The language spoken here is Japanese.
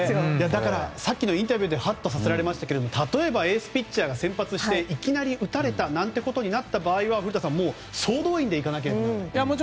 さっきのインタビューでハッとさせられましたけど例えばエースピッチャーが先発していきなり打たれたとなった場合には総動員でいかなければいけない。